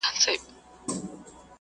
هغه وويل چي کار مهم دی؟!